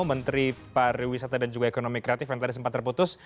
menteri pariwisata dan juga ekonomi kreatif yang tadi sempat terputus